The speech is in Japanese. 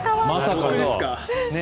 僕ですか？